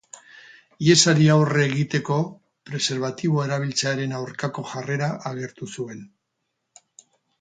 Hiesari aurre egiteko, preserbatiboa erabiltzearen aurkako jarrera agertu zuen.